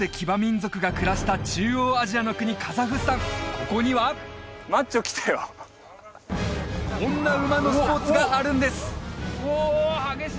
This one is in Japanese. ここにはこんな馬のスポーツがあるんですうわ激しい！